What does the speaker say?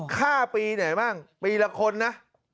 ฆ่าปีไหนบ้างปีละคนนะ